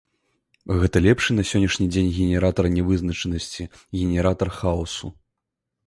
Гэта лепшы на сённяшні дзень генератар нявызначанасці, генератар хаосу.